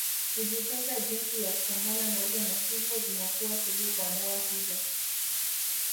Hujifunza jinsi ya kupambana nazo na hivyo zinakuwa sugu kwa dawa hizo